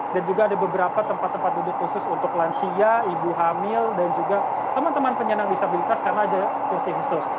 dan juga ada beberapa tempat tempat duduk khusus untuk lansia ibu hamil dan juga teman teman penyenang disabilitas karena ada kursi khusus